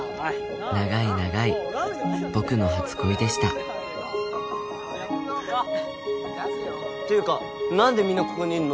長い長い僕の初恋でしたっていうか何でみんなここにいんの？